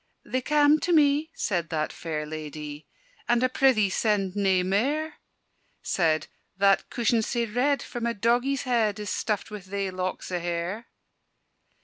"They cam' to me," said that fair ladye; "And I prithee send nae mair!" Said "that cushion sae red, for my doggie's head, It is stuffed wi' thae locks o' hair."